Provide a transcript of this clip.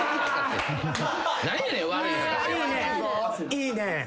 いいね。